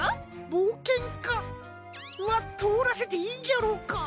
ぼうけんかはとおらせていいんじゃろうか？